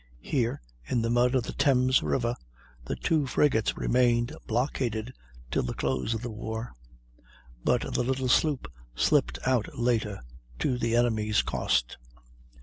Here, in the mud of the Thames river, the two frigates remained blockaded till the close of the war; but the little sloop slipped out later, to the enemy's cost.